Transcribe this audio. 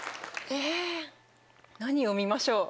え何を見ましょう？